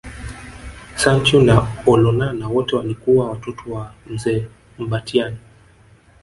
Santeu na Olonana wote walikuwa Watoto wa mzee Mbatiany